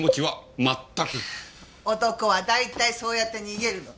男は大体そうやって逃げるの。